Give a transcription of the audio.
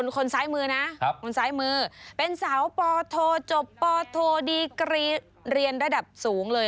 คนซ้ายมือนะคนซ้ายมือเป็นสาวปโทจบปโทดีกรีเรียนระดับสูงเลย